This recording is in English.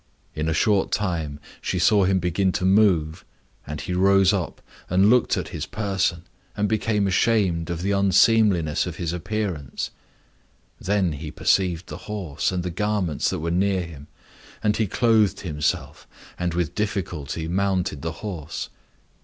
In a short time, she saw him begin to move; and he rose up, and looked at his person, and became ashamed of the unseemliness of his appearance. Then he perceived the horse and the garments that were near him. And he clothed himself, and with difficulty mounted the horse.